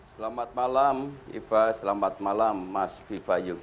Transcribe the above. selamat malam iva selamat malam mas viva yoga